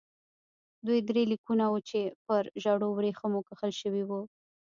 دوی درې لیکونه وو چې پر ژړو ورېښمو کښل شوي وو.